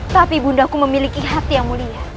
tapi bundaku memiliki hati yang mulia